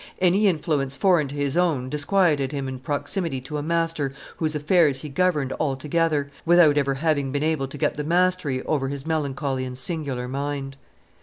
Any influence foreign to his own disquieted him in proximity to a master whose affairs he governed altogether, without ever having been able to get the mastery over his melancholy and singular mind.